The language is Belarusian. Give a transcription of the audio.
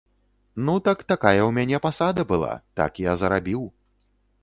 Ну так такая ў мяне пасада была, так я зарабіў.